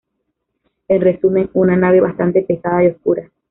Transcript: En resumen, una nave bastante pesada y oscura.